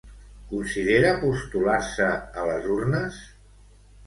Considera postular-se a les urnes?